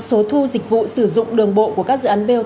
số thu dịch vụ sử dụng đường bộ của các dự án bot